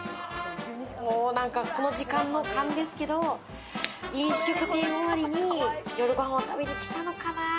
なんか、この時間の勘ですけれども、飲食店終わりに夜ご飯を食べに来たのかな？